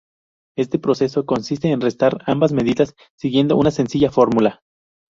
Este proceso, consiste en restar ambas medidas siguiendo una sencilla fórmula.